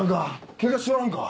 ケガしちょらんか？